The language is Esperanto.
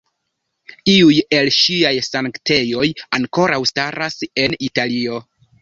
Iuj el ŝiaj sanktejoj ankoraŭ staras en Italio.